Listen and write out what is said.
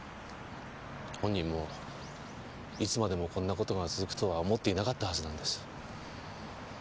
本人もいつまでもこんな事が続くとは思っていなかったはずなんです。